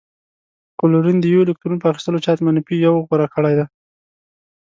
کلورین د یوه الکترون په اخیستلو چارج منفي یو غوره کړی دی.